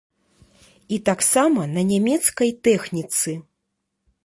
І таксама на нямецкай тэхніцы!